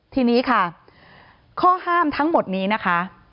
ทีนี้ค่ะข้อห้ามทั้งหมดนี้นะคะ